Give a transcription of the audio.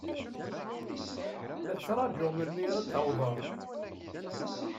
La ttṛajuɣ melmi ara d-tawḍed.